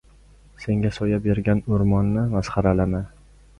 • Senga soya bergan o‘rmonni masxaralama.